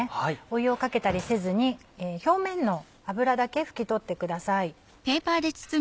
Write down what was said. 湯をかけたりせずに表面の油だけ拭き取ってください。